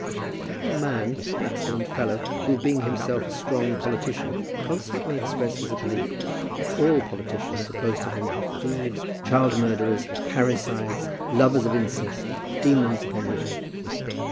I know a man, an excellent fellow, who, being himself a strong politician, constantly expresses a belief that all politicians opposed to him are thieves, child murderers, parricides, lovers of incest, demons upon the earth.